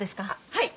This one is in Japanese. はい。